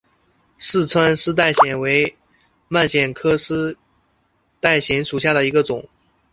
四川丝带藓为蔓藓科丝带藓属下的一个种。